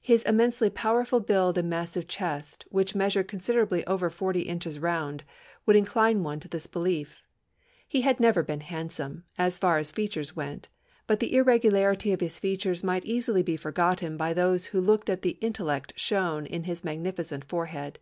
His immensely powerful build and massive chest, which measured considerably over forty inches round, would incline one to this belief. He had never been handsome, as far as features went, but the irregularity of his features might easily be forgotten by those who looked at the intellect shown in his magnificent forehead.